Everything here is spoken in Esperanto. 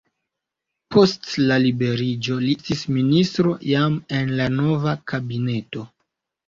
Post la liberiĝo li estis ministro jam en la nova kabineto.